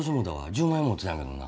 １０万円持ってたんやけどな。